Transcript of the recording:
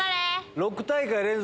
６大会連続